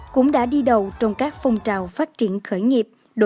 cũng đã đi đầu trong các phong trào phát triển khởi nghiệp